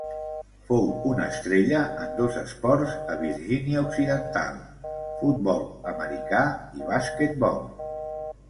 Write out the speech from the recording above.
Fou una estrella en dos esports a Virgínia Occidental, futbol americà i basquetbol.